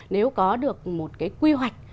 nếu có được một cái quy hoạch